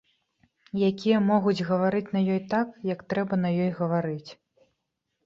Якія могуць гаварыць на ёй так, як трэба на ёй гаварыць.